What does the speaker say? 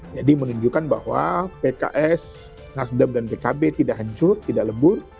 jadi menunjukkan bahwa pks nasdem dan pks tidak hancur tidak lebur